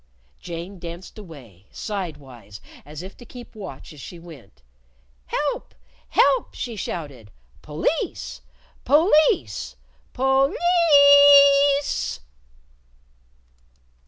Jane danced away sidewise, as if to keep watch as she went. "Help! Help!" she shouted. "Police! Police!! _Poli i i ice!!!